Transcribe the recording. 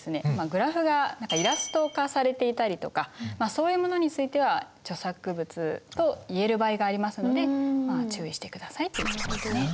グラフが何かイラスト化されていたりとかそういうものについては著作物といえる場合がありますので注意してくださいということですね。